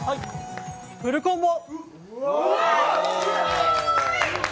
フルコンボ！